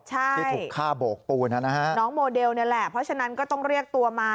ใช่น้องโมเดลเนี่ยแหละเพราะฉะนั้นก็ต้องเรียกตัวมา